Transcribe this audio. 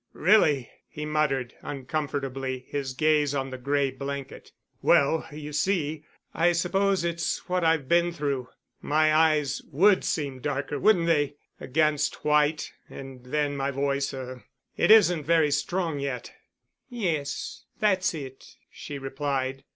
"Really——!" he muttered, uncomfortably, his gaze on the gray blanket. "Well, you see, I suppose it's what I've been through. My eyes would seem darker, wouldn't they, against white, and then my voice—er—it isn't very strong yet." "Yes, that's it," she replied.